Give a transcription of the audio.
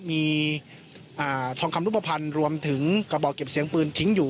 มีทองคำรูปภัณฑ์รวมถึงกระบอกเก็บเสียงปืนทิ้งอยู่